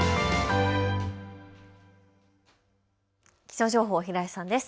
気象情報、平井さんです。